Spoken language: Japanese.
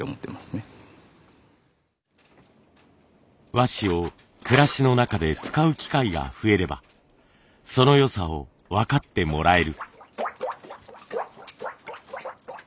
和紙を暮らしの中で使う機会が増えればその良さを分かってもらえる。